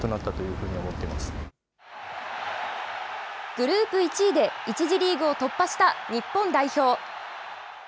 グループ１位で１次リーグを突破した日本代表。